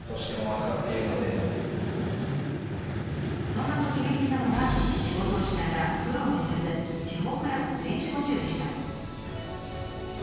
そんなとき目にしたのが仕事をしながらプロを目指す地方クラブの選手募集でした。